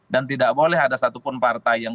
dan tidak boleh ada satupun partai yang